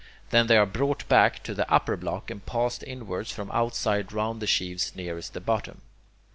Then they are brought back to the upper block, and passed inwards from outside round the sheaves nearest the bottom.